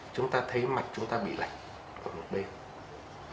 chúng ta thấy mặt chúng ta bị lạnh của một bên